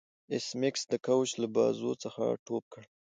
ایس میکس د کوچ له بازو څخه ټوپ کړ